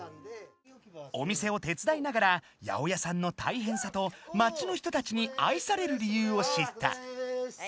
お店を手伝いながら八百屋さんのたいへんさと町の人たちに愛される理由を知った。